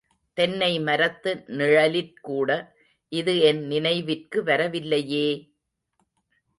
தென்னைமரத்து நிழலிற்கூட, இது என் நினைவிற்கு வரவில்லையே!